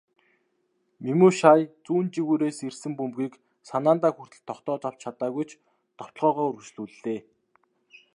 Мемушай зүүн жигүүрээс ирсэн бөмбөгийг санаандаа хүртэл тогтоож авч чадаагүй ч довтолгоогоо үргэлжлүүллээ.